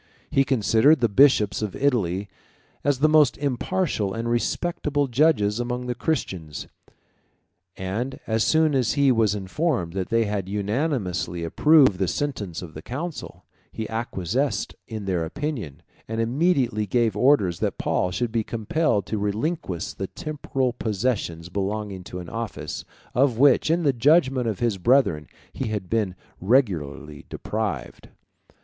He considered the bishops of Italy as the most impartial and respectable judges among the Christians, and as soon as he was informed that they had unanimously approved the sentence of the council, he acquiesced in their opinion, and immediately gave orders that Paul should be compelled to relinquish the temporal possessions belonging to an office, of which, in the judgment of his brethren, he had been regularly deprived.